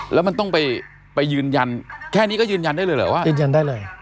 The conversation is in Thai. แล้วมันต้องไปยืนยันแค่นี้ก็ยืนยันได้เลยเหรอว่ายืนยันได้เลย